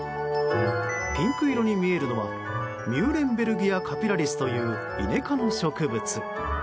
ピンク色に見えるのはミューレンベルギア・カピラリスというイネ科の植物。